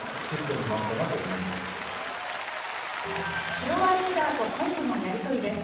フロアリーダーと本部のやりとりです。